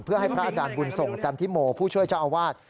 เพื่อให้พระอาจารย์บุญส่งจันทิโมผู้ช่วยเจ้าอาวาส